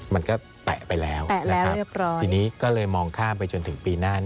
มันก็แปะไปแล้วทีนี้ก็เลยมองข้ามไปจนถึงปีหน้า